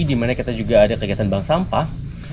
dimana kita juga ada kegiatan bank sampah